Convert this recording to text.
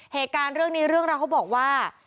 เหตุการณ์เรื่องนี้เรื่องเราเขาบอกว่า